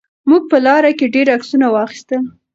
موږ په لاره کې ډېر عکسونه واخیستل.